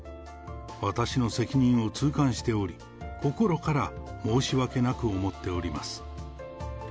私の責任を痛感しており、心から申し訳なく思っております。